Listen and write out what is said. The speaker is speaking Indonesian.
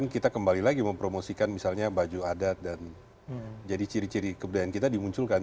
kita kembali lagi mempromosikan misalnya baju adat dan jadi ciri ciri kebudayaan kita dimunculkan